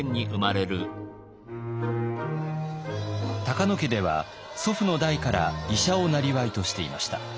高野家では祖父の代から医者をなりわいとしていました。